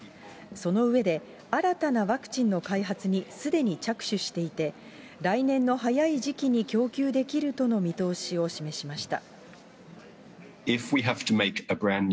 その上で、新たなワクチンの開発にすでに着手していて、来年の早い時期に供給できるとの見通しを示しました。